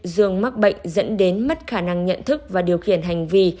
dương mắc bệnh dẫn đến mất khả năng nhận thức và điều khiển hành vi